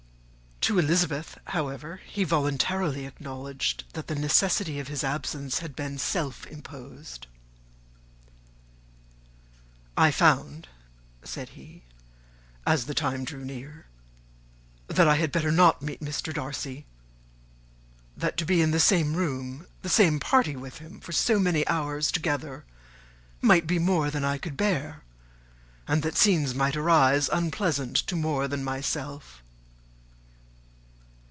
To Elizabeth, however, he voluntarily acknowledged that the necessity of his absence had been self imposed. "I found," said he, "as the time drew near, that I had better not meet Mr. Darcy; that to be in the same room, the same party with him for so many hours together, might be more than I could bear, and that scenes might arise unpleasant to more than myself."